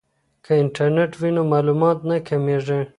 که انټرنیټ وي نو معلومات نه کمیږي.